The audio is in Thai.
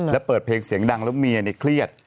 แล้วเปิดเพลงเสียงดังแล้วเมียเครียด